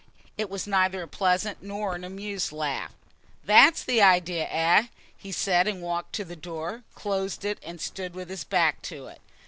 It was neither a pleasant nor an amused laugh. "That's the idea, eh?" he said, walked to the door, closed it and stood with his back to it.